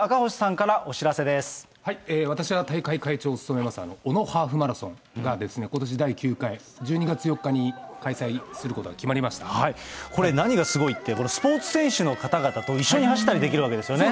ここで赤星私が大会会長を務めます、小野ハーフマラソンが、ことし第９回、１２月４日に開催することがこれ、何がすごいって、スポーツ選手の方々と一緒に走ったりできるわけですよね。